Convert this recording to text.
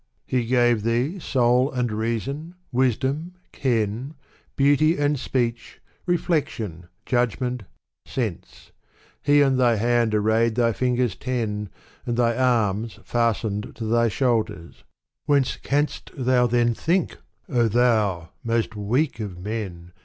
303 He gave thee soul and reason, wisdom, ken, Beauty and speech, reflection, judgment, sense ; He on thy hand arrayed thy fingers ten. And thy arms &stened to thy shoulders. Whence l Canst thou then think, O thou most weak of men